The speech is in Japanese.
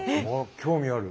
興味ある。